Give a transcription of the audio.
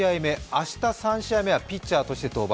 明日３試合目はピッチャーとして登板。